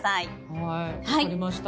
はい分かりました。